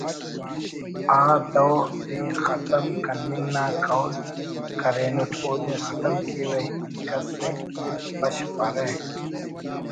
آ دود ءِ ختم کننگ نا قول کرینٹ اودے ختم کیوہ ای کس ءِ بشخپرہ